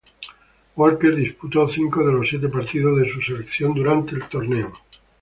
Walker disputó cinco de los siete partidos de su selección durante el torneo.